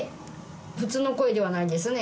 普通の声ではないですね。